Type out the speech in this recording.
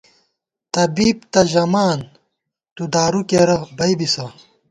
طبیب تہ ژَمان ، تُو دارُو کېرہ بئ بِسہ